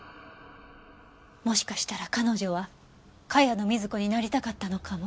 もしかしたら彼女は茅野瑞子になりたかったのかも。